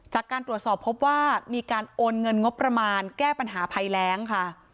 จากการตรวจสอบพบว่ามีการโอนเงินงบประมาณแก้ปัญหาภัยแรงค่ะ